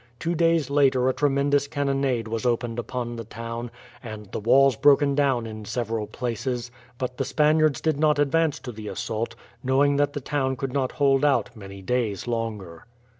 Two days later a tremendous cannonade was opened upon the town, and the walls broken down in several places, but the Spaniards did not advance to the assault, knowing that the town could not hold out many days longer.